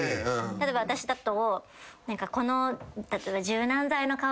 例えば私だと。